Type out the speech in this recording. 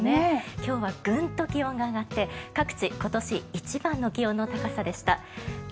今日はぐんと気温が上がって各地今年一番の気温の高さでした。